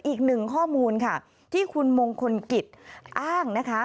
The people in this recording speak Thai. อีกหนึ่งข้อมูลค่ะที่คุณมงคลกิจอ้างนะคะ